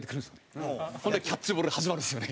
ほんでキャッチボールが始まるんですよね。